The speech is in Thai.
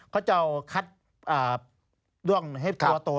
เขาจะเอาคัดด้วงให้ตัวโต